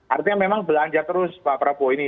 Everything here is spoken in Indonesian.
artinya memang belanja terus pak prabowo ini